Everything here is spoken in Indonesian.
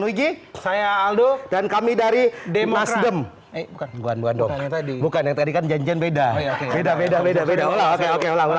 luigi saya aldo dan kami dari demokrasi bukan bukan jenjen beda beda beda beda